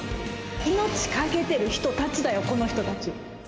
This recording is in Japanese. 命懸けてる人たちだよ、この人たち。